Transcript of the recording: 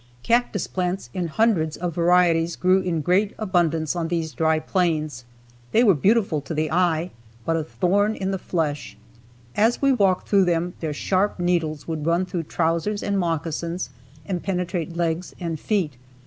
Cactus plants in hundreds of varieties grew in great abundance on these dry plains. They were beautiful to the eye, but a thorn in the flesh. As we walked through them their sharp needles would run through trousers and moccasins and penetrate legs and feet.